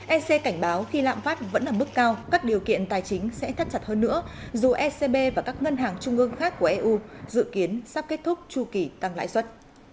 ec cảnh báo khi lạm phát vẫn ở mức cao các điều kiện tài chính sẽ thắt chặt hơn nữa dù ecb và các ngân hàng trung ương khác của eu dự kiến sắp kết thúc chu kỳ tăng lãi suất